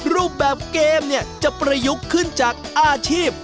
รูปแบบเกมเนี่ยจะประยุกต์ขึ้นจากอาชีพ